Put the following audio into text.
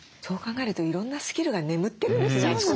そう考えるといろんなスキルが眠ってるんですね